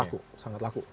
laku sangat laku